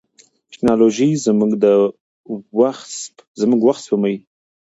ټیکنالوژي زموږ وخت سپموي.